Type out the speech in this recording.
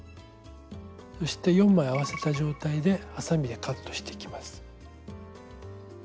そして４枚合わせた状態ではさみでカットしていきます。